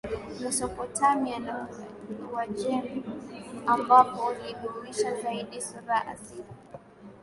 Mesopotamia na Uajemi ambapo ulidumisha zaidi sura asili